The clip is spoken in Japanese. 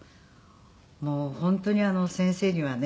もう本当に先生にはね